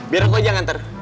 biar aku aja yang nganter